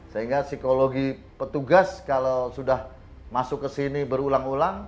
sehingga psikologi petugas kalau sudah masuk ke sini berulang ulang